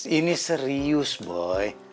ini serius boy